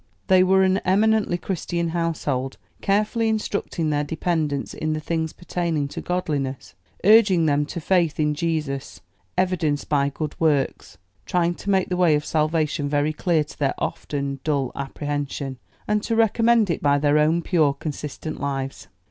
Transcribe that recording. They were an eminently Christian household, carefully instructing their dependents in the things pertaining to godliness, urging them to faith in Jesus evidenced by good works; trying to make the way of salvation very clear to their often dull apprehension, and to recommend it by their own pure, consistent lives.